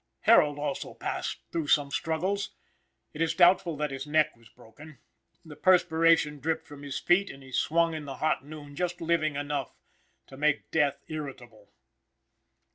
Harold also passed through some struggles. It is doubtful that his neck was broken. The perspiration dripped from his feet, and he swung in the hot noon just living enough to make death irritable.